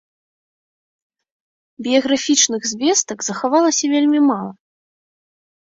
Біяграфічных звестак захавалася вельмі мала.